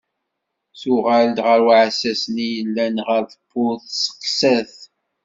Tuɣal-d ɣer uɛessas-nni yellan ɣer tewwurt, testeqsa-t.